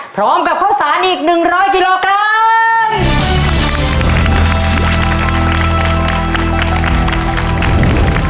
พร้อมกับข้าวสารอีก๑๐๐กิโลกรัม